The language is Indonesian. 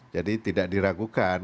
jadi tidak diragukan